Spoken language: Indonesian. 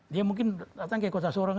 dia mungkin datang ke kota sorong